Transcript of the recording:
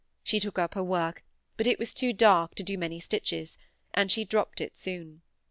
She took up her work, but it was too dark to do many stitches; and she dropped it soon.